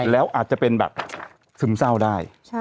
แล้วอาจจะเป็นแบบซึมเศร้าได้